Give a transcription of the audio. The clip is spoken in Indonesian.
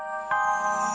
terima kasih sudah nonton